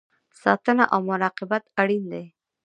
ساتنه او مراقبت اړین دی